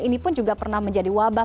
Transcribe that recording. ini pun juga pernah menjadi wabah